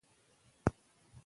پلار مې له کاره کور ته راغی.